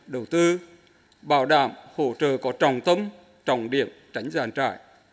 đầu tư bảo đảm hỗ trợ có trọng tâm trọng điểm tránh giàn trải